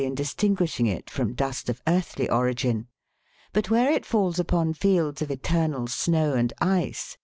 9 in distinguishing it from dust of earthly origin ; but where it falls upon fields of eternal snow and ice (Figs.